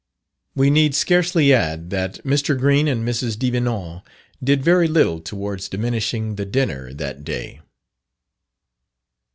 We need scarcely add, that Mr. Green and Mrs. Devenant did very little towards diminishing the dinner that day.